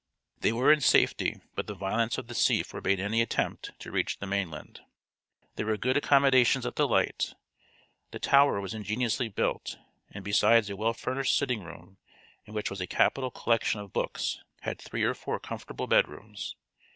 They were in safety, but the violence of the sea forbade any attempt to reach the mainland. There were good accommodations at the light. The tower was ingeniously built, and besides a well furnished sitting room, in which was a capital collection of books, had three or four comfortable bedrooms.